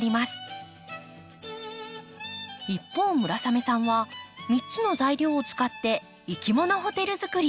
一方村雨さんは３つの材料を使っていきものホテル作り。